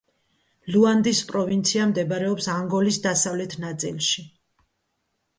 ლუანდის პროვინცია მდებარეობს ანგოლის დასავლეთ ნაწილში.